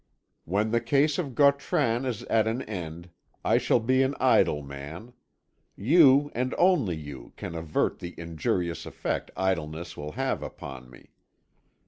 When the case of Gautran is at an end I shall be an idle man; you, and only you, can avert the injurious effect idleness will have upon me.